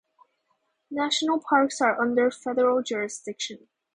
National parks are under federal jurisdiction.